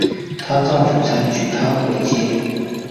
她丈夫才娶她为妻